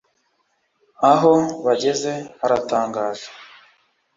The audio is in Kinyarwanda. aho bageze haratangaje